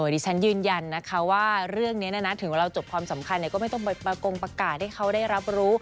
ดิฉันยืนยันนะคะว่าเรื่องนี้นะถึงเวลาจบความสำคัญก็ไม่ต้องไปประกงประกาศให้เขาได้รับรู้